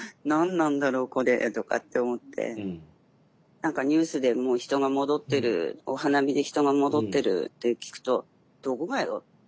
何かニュースでもう人が戻ってるお花見で人が戻ってるって聞くとどこがよって。